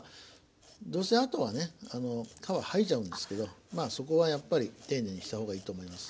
どうせあとはね皮剥いじゃうんですけどまあそこはやっぱり丁寧にした方がいいと思います。